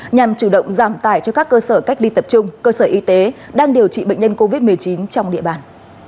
nhằm chủ động giảm tải cho các cơ sở cách ly tập trung cơ sở y tế đang điều trị bệnh nhân covid một mươi chín trong địa bàn